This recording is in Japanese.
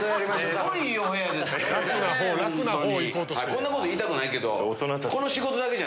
こんなこと言いたくないけど。